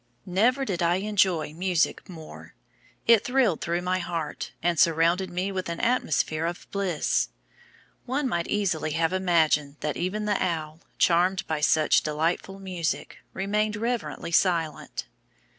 Never did I enjoy music more: it thrilled through my heart, and surrounded me with an atmosphere of bliss. One might easily have imagined that even the Owl, charmed by such delightful music, remained reverently silent.